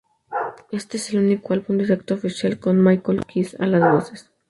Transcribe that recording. Este es el único álbum en directo oficial con Michael Kiske a las voces.